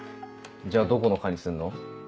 じゃあどこの科にするの？